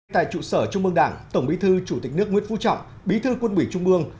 tại trụ sở trung mương đảng tổng bí thư chủ tịch nước nguyễn phú trọng bí thư quân ủy trung mương